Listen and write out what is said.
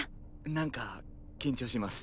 何か緊張します。